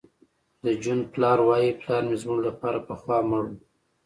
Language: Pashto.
د جون لور وایی پلار مې زموږ لپاره پخوا مړ و